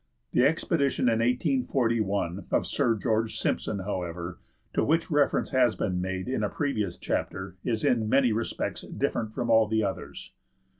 The expedition in 1841 of Sir George Simpson, however, to which reference has been made in a previous chapter, is in many respects different from all the others.